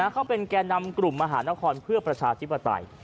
เขาเป็นแก่นำกลุ่มมหานครเพื่อประชาธิปไตย